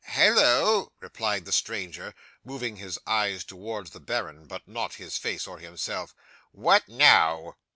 '"Halloa!" replied the stranger, moving his eyes towards the baron, but not his face or himself "What now?"